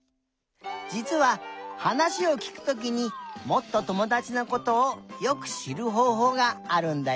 じつははなしをきくときにもっとともだちのことをよくしるほうほうがあるんだよ。